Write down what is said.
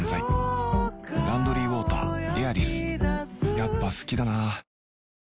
やっぱ好きだな